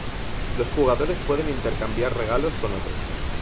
Los jugadores pueden intercambiar regalos con otros.